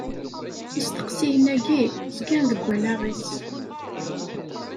Isteqsiyen-agi zgan deg wallaɣ-is.